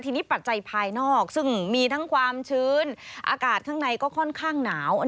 ทีนี้ปัจจัยภายนอกซึ่งมีทั้งความชื้นอากาศข้างในก็ค่อนข้างหนาว